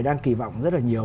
đang kỳ vọng rất là nhiều